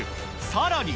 さらに。